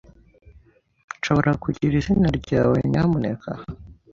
Nshobora kugira izina ryawe, nyamuneka?